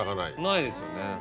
ないですよね。